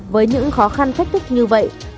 với những khó khăn thách thức như vậy